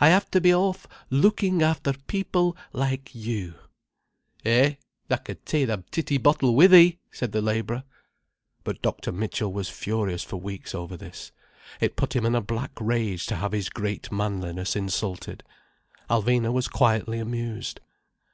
I have to be off looking after people like you—" "Eh, tha can ta'e th' titty bottle wi' thee," said the labourer. But Dr. Mitchell was furious for weeks over this. It put him in a black rage to have his great manliness insulted. Alvina was quietly amused.